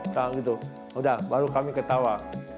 sudah baru kami ketawa